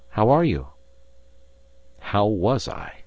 How are you?" How was I?